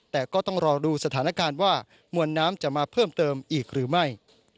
แต่ก็ต้องรอดูสถานการณ์ว่ามวลน้ำจะมาเพิ่มเติมอีกหรือไม่